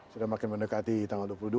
sudah makin mendekati tanggal dua puluh dua